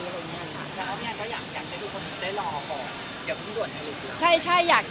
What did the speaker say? แอนก็อยากให้ดูคนได้รอก่อน